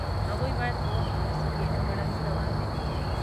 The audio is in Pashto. هغوی باید په وخت ورسیږي نو ګړندي روان دي